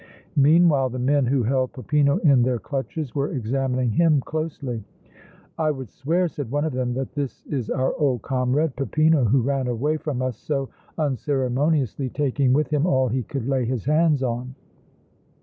Meanwhile the men who held Peppino in their clutches were examining him closely. "I would swear," said one of them, "that this is our old comrade, Peppino, who ran away from us so unceremoniously, taking with him all he could lay his hands on!"